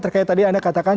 terkait tadi anda katakan